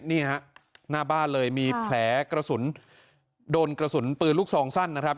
นี่ฮะหน้าบ้านเลยมีแผลกระสุนโดนกระสุนปืนลูกซองสั้นนะครับ